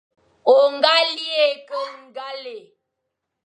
O ñga lighé ke ñgale,